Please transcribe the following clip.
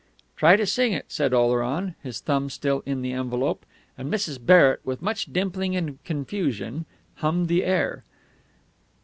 '" "Try to sing it," said Oleron, his thumb still in the envelope; and Mrs. Barrett, with much dimpling and confusion, hummed the air.